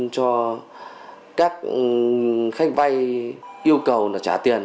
cho các khách vay yêu cầu trả tiền